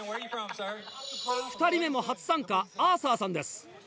２人目も初参加アーサーさんです。